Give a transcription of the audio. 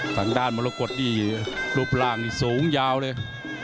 ฝั่งด้านมรกฎที่รูปร่างสูงยาวเลย